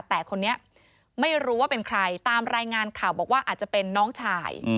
แต่คนนี้ไม่รู้ว่าเป็นใครตามรายงานข่าวบอกว่าอาจจะเป็นน้องชาย